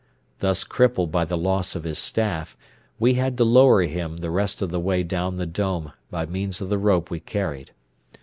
Thus crippled by the loss of his staff, we had to lower him the rest of the way down the dome by means of the rope we carried.